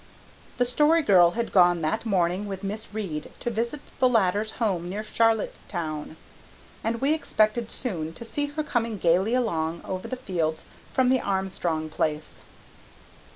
The Story Girl had gone that morning with Miss Reade to visit the latter's home near Charlottetown, and we expected soon to see her coming gaily along over the fields from the Armstrong place.